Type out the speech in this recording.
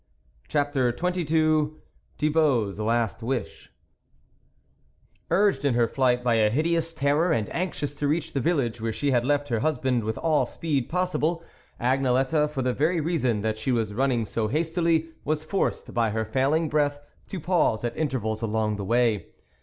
CHAPTER XXII THIBAULT'S LAST WISH T TRGED in her flight by a hideous \^J terror, and anxious to reach the village where she had left her husband with all speed possible, Agnelette, for the very reason that she was running so hastily, was forced by her failing breath, to pause at intervals along the way.